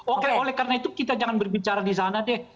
oke oleh karena itu kita jangan berbicara di sana deh